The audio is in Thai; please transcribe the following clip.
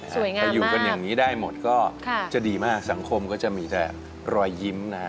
แต่อยู่กันอย่างนี้ได้หมดก็จะดีมากสังคมก็จะมีแต่รอยยิ้มนะฮะ